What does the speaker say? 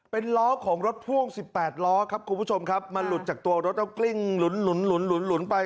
เป็นล้อของรถพ่วงสิบแปดล้อครับคุณผู้ชมครับมาหลุดจากตัวรถแล้วก็กลิ้งหลุนหลุนหลุนหลุนหลุนไป